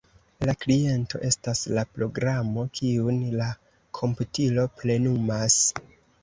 La kliento estas la programo, kiun la komputilo plenumas.